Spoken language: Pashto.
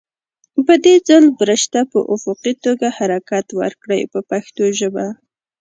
په دې ځل برش ته په افقي توګه حرکت ورکړئ په پښتو ژبه.